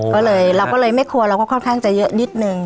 ก็เลยเราก็เลยไม่ครัวเราก็ค่อนข้างจะเยอะนิดนึง